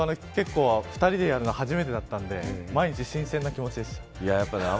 僕も２人でやるのは初めてだったので毎日新鮮な気持ちでした。